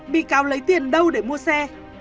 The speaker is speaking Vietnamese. bị cáo lấy tiền đâu để mua xe